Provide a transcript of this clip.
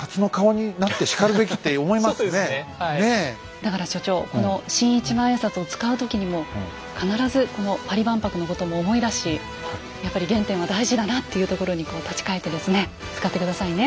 だから所長この新一万円札を使う時にも必ずこのパリ万博のことも思い出しやっぱり原点は大事だなっていうところに立ち返ってですね使って下さいね。